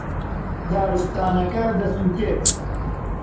دارستانەکە دەسووتێت.